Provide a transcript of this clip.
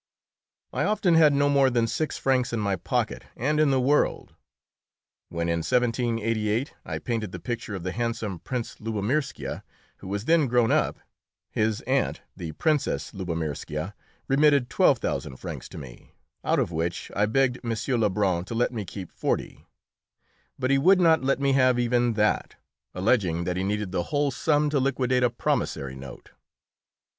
I often had no more than six francs in my pocket and in the world. When in 1788 I painted the picture of the handsome Prince Lubomirskia, who was then grown up, his aunt, the Princess Lubomirska, remitted twelve thousand francs to me, out of which I begged M. Lebrun to let me keep forty; but he would not let me have even that, alleging that he needed the whole sum to liquidate a promissory note.